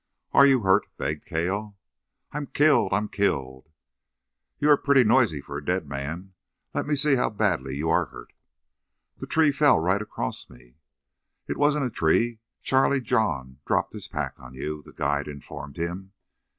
"Are you hurt?" begged Cale. "I'm killed! I'm killed!" "You are pretty noisy for a dead man. Let's see how badly you are hurt." "That tree fell right right across me." "It wasn't a tree. Charlie John dropped his pack on you," the guide informed him.